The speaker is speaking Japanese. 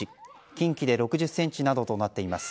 近畿で６０ｃｍなどとなっています。